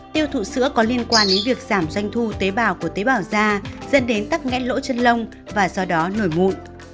tiêu thụ sữa có liên quan đến việc giảm doanh thu tế bào của tế bào da dẫn đến tắc nghẽn lỗ chân lông và do đó nổi mụn